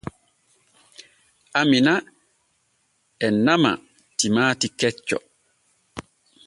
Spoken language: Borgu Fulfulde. Amina e nama timaati kecco.